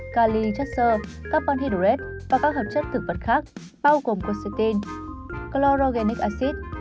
cali chất sơ carbon hydrate và các hợp chất thực vật khác bao gồm quocitin chlorogenic acid